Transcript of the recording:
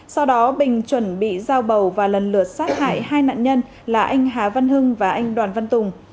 sau đó bình chuẩn bị giao bầu và lần lượt sát hải hai nạn nhân là anh hà văn hưng và anh đoàn văn tùng